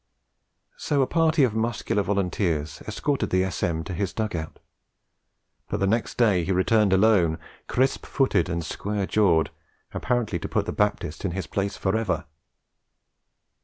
So a party of muscular volunteers escorted the S.M. to his dug out. But the next day he returned alone, crisp footed and square jawed, apparently to put the Baptist in his place for ever.